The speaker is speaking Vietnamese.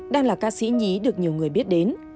đang là ca sĩ nhí được nhiều người biết đến